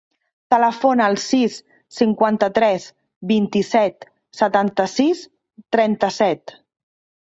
Telefona al sis, cinquanta-tres, vint-i-set, setanta-sis, trenta-set.